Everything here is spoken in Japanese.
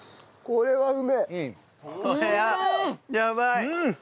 これはやばい！